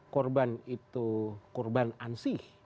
korban itu korban ansih